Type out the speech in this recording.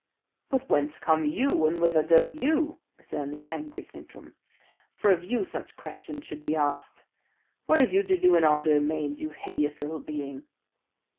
"But whence come YOU and whither go YOU?" returned the angry Sintram. "For of you such questions should be asked. What have you to do in our domains, you hideous little being?"